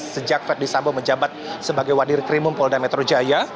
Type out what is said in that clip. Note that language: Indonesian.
sejak ferdis sambo menjabat sebagai wadir krimum polda metro jaya